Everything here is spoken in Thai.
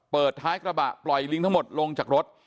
เปิดท้ายกระบะปล่อยลิงทั้งหมดลงจากรถ